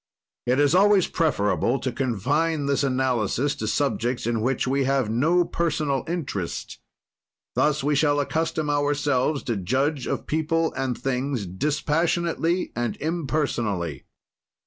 "It is always preferable to confine this analysis to subjects in which we have no personal interest; thus we shall accustom ourselves to judge of people and things dispassionately and impersonally.